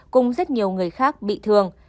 cùng rất nhiều người khác bị thương